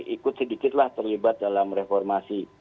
ikut sedikitlah terlibat dalam reformasi